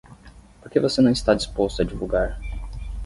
Por que você não está disposto a divulgar?